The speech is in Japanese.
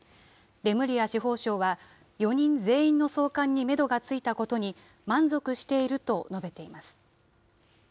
レムリア司法相は、４人全員の送還にメドがついたことに満足していると述べています。